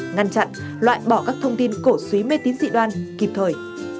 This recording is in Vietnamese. ngăn chặn loại bỏ các thông tin cổ suý mê tín dị đoan kịp thời